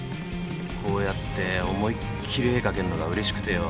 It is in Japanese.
こうやって思いっ切り絵描けんのがうれしくてよ。